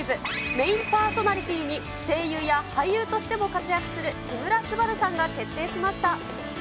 メインパーソナリティーに、声優や俳優としても活躍する木村昴さんが決定しました。